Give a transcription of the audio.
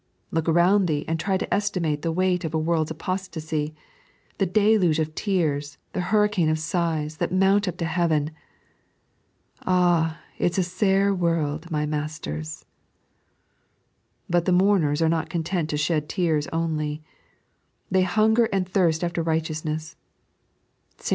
Look around thee, and try to estimate the weight of a world's apostasy, the deluge of tears, the hurricane of sighs, that mount up to heaven. "Ah, it's a sair world, my masters I " But the mourners are not content to shed tears only, they hiimger and thirst after righteousntss. St.